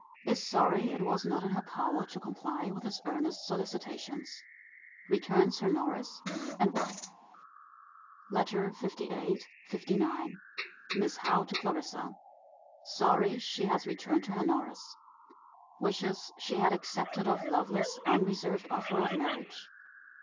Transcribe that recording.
Is sorry it was not in her power to comply with his earnest solicitations. Returns her Norris: and why. LETTER LVIII. LIX. Miss Howe to Clarissa. Sorry she has returned her Norris. Wishes she had accepted of Lovelace's unreserved offer of marriage.